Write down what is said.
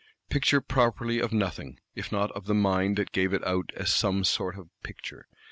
Picture properly of nothing, if not of the mind that gave it out as some sort of picture.